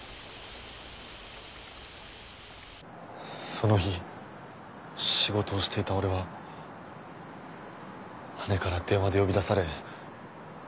その日仕事をしていた俺は姉から電話で呼び出され全てを聞きました。